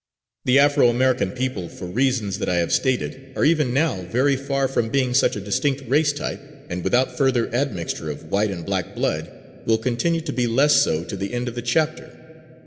The Afro American people, for reasons that I have stated, are even now very far from being such a distinct race type, and without further admixture of white and black blood, will continue to be less so to the end of the chapter.